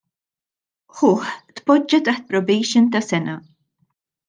Ħuh tpoġġa taħt probation ta' sena.